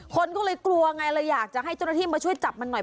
คนก็เลยกลัวไงเลยอยากจะให้เจ้าหน้าที่มาช่วยจับมันหน่อย